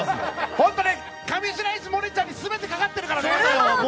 ホントに上白石萌音ちゃんにすべてかかってるからね。